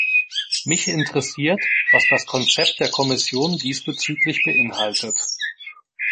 Mich interessiert, was das Konzept der Kommission diesbezüglich beinhaltet.